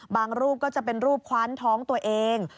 รูปก็จะเป็นรูปคว้านท้องตัวเอง